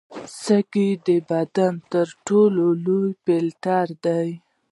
سږي د بدن تر ټولو لوی فلټر دي.